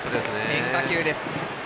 変化球です。